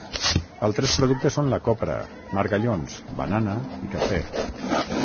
Altres productes són la copra, margallons, banana i cafè.